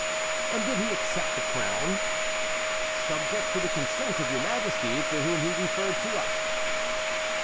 "And did he accept the crown?" "Subject to the consent of your Majesty, to whom he referred us."